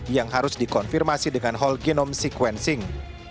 yang harus dikonfirmasi dengan whole genome sequencing